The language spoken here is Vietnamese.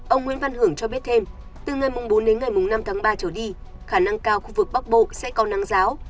ông nguyễn văn hưởng cho biết thêm từ ngày mùng bốn đến ngày mùng năm tháng ba trở đi khả năng cao khu vực bắc bộ sẽ còn nắng ráo